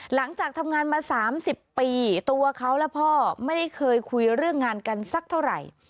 หลังจากทำงานมา๓๐ปีตัวเขาและพ่อไม่ได้เคยคุยเรื่องงานกันสักเท่าไหร่